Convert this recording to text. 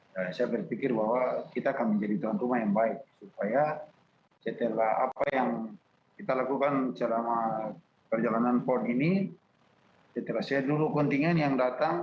saya berpikir bahwa kita akan menjadi tuan rumah yang baik supaya setelah apa yang kita lakukan selama perjalanan pon ini setelah seluruh kontingen yang datang